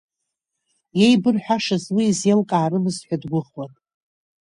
Еибырҳәашаз уи изеимлкаарымызт ҳәа дгәыӷуан.